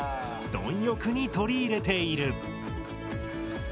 貪欲に取り入れている。